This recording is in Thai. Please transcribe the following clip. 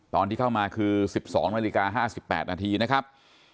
ตอนที่เข้ามาคือสิบสองนาฬิกาห้าสิบแปดนาทีนะครับ